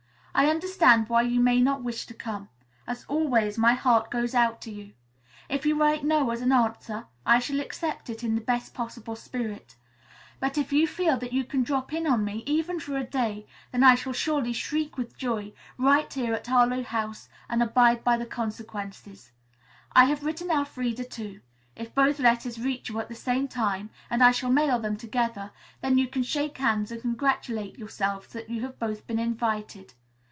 I understand why you may not wish to come. As always, my heart goes out to you. If you write 'no' as an answer, I shall accept it in the best possible spirit. But if you feel that you can drop in on me, even for a day, then I shall surely shriek with joy, right here at Harlowe House, and abide by the consequences. I have written Elfreda, too. If both letters reach you at the same time, and I shall mail them together, then you can shake hands and congratulate yourselves that you have both been invited.